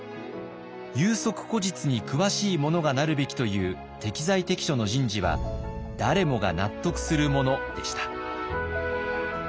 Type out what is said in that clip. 有職故実に詳しい者がなるべきという適材適所の人事は誰もが納得するものでした。